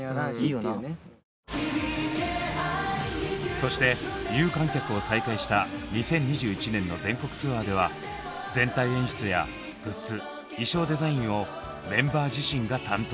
そして有観客を再開した２０２１年の全国ツアーでは全体演出やグッズ衣装デザインをメンバー自身が担当。